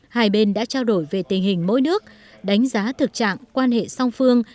hai bên đã trao đổi về tình hình mỗi nước đánh giá thực trạng quan hệ song phương